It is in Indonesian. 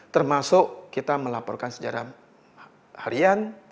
termasuk kita melaporkan sejarah harian